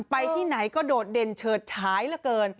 ไปที่ไหนก็โดดเด่นเฉิดฉายเหลือเกิน